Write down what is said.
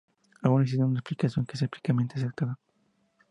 Aún no existe una explicación que sea ampliamente aceptada.